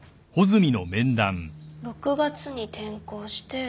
６月に転校して。